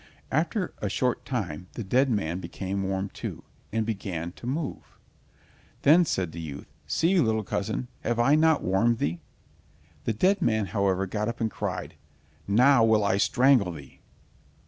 After a short time the dead man became warm too, and began to move. Then said the youth: "See, little cousin, have I not warmed thee?" The dead man, however, got up and cried, "Now will I strangle thee."